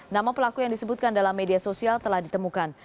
nama pelaku yang disebutkan dalam media sosial telah ditemukan